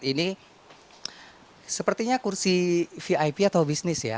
ini sepertinya kursi vip atau bisnis ya